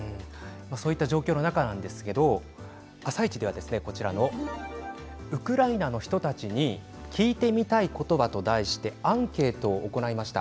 そういった状況の中なんですけど「あさイチ」ではウクライナの人たちに聞いてみたいことは？と題してアンケートを行いました。